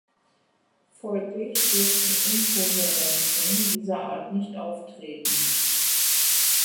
Folglich dürften Inkohärenzen dieser Art nicht auftreten.